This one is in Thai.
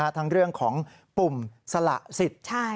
ทั้งเรื่องของปุ่มสละสิทธิ์